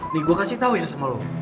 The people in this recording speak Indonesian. nih gue kasih tau ya sama lo